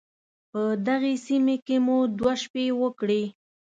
په دغې سيمې کې مو دوه شپې وکړې.